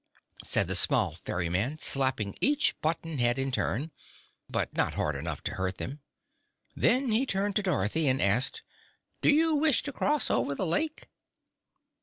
said the small ferryman, slapping each button head in turn, but not hard enough to hurt them. Then he turned to Dorothy and asked: "Do you wish to cross over the lake?"